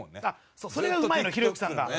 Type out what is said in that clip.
それがうまいのよひろゆきさんが。